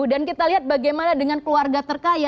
dan kita lihat bagaimana dengan keluarga terkaya